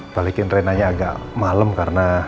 balikin renanya agak malem karena